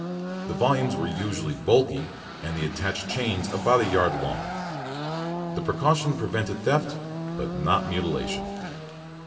The volumes were usually bulky and the attached chains about a yard long. The precaution prevented theft but not mutilation.